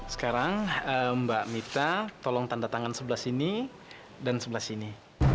sekarang mbak mita tolong tanda tangan sebelah sini dan sebelah sini